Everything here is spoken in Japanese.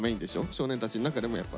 「少年たち」の中でもやっぱ。